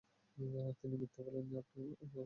তিনি মিথ্যা বলেননি এবং আপনিও আমাদেরকে মিথ্যা বলেননি।